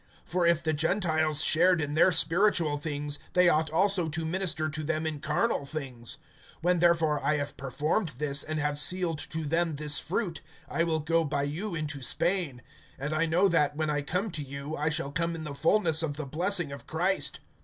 For if the Gentiles shared in their spiritual things, they ought also to minister to them in carnal things. (28)When therefore I have performed this, and have sealed to them this fruit, I will go by you into Spain. (29)And I know that, when I come to you, I shall come in the fullness of the blessing of Christ.